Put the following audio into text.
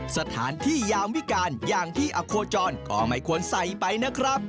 สถานที่ยามวิการอย่างที่อโคจรก็ไม่ควรใส่ไปนะครับ